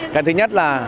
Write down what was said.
cái thứ nhất là